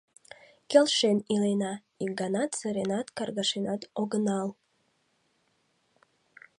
— Келшен илена, ик ганат сыренат, каргашенат огынал...